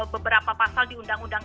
beberapa pasal di undang undang